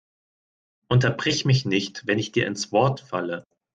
Unterbrich mich nicht, wenn ich dir ins Wort falle!